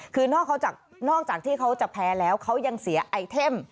คือนอกจากที่เขาจะแพ้แล้วเขายังเสียไอเทม